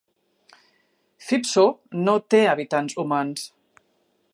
Phibsoo no té habitants humans.